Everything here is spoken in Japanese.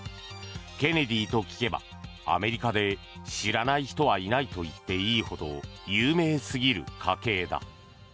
ケネディと聞けばアメリカで知らない人はいないと言っていいほど有名すぎる家系だ。